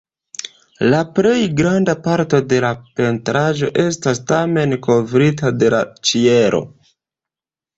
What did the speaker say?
La plej granda parto de la pentraĵo estas tamen kovrita de la ĉielo.